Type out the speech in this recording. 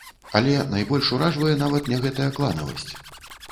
Але найбольш уражвае нават не гэтая кланавасць.